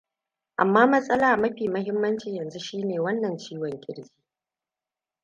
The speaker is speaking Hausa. amma matsala mafi mahimmanci yanzu shine wannan ciwon kirji